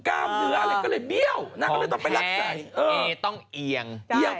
แค่เอต้องเออยี่ยง